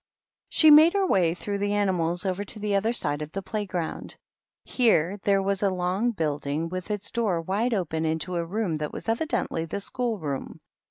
She made her way through the animals over to the other side of the playground. Here there was a long building, with its door wide open into a room that was evidently the school room.